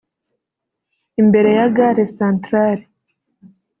imbere ya gare centrale